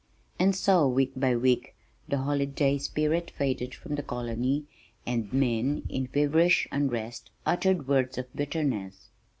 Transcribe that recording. And so, week by week the holiday spirit faded from the colony and men in feverish unrest uttered words of bitterness.